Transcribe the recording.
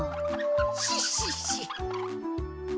シッシッシ。